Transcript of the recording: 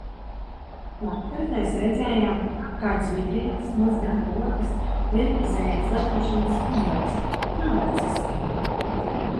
Vakar mēs redzējām, kā kāds vīrietis mazgā rokas vienreizējās lietošanas cimdos. Malacis.